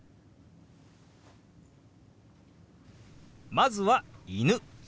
まずは「犬」。